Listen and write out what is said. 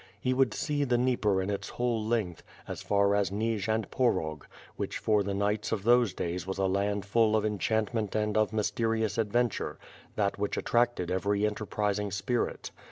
He would see the Dnieper in its whole length, as far as Nij and Porog, which for the knights of those days was a land full of enchantment and of mysterious adventure, that which attracted every enterprising spirit.